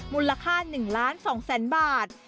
มูลค่า๑ล้าน๒แสนบาท